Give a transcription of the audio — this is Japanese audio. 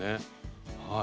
はい。